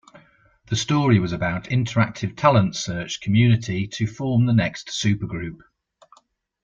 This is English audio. The story was about interactive talent search community to form the next Supergroup.